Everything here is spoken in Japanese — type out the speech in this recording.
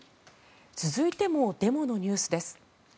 続いてもデモのニュースです。